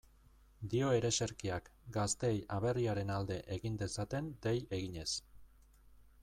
Dio ereserkiak, gazteei aberriaren alde egin dezaten dei eginez.